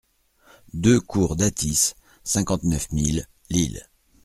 deux cour Dathis, cinquante-neuf mille Lille